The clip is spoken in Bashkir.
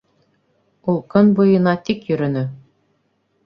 Ул кон буйына тик йөрөнө